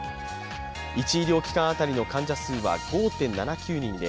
１医療機関当たりの患者数は５．７９人で